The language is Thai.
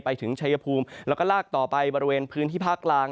ไปถึงชายภูมิแล้วก็ลากต่อไปบริเวณพื้นที่ภาคกลาง